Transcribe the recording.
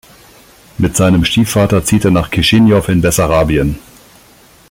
Mit seinem Stiefvater zieht er nach Kischinjow in Bessarabien.